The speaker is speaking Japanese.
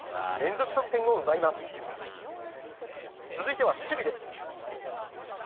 続いては守備です。